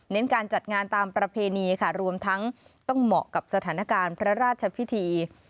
การจัดงานตามประเพณีค่ะรวมทั้งต้องเหมาะกับสถานการณ์พระราชพิธี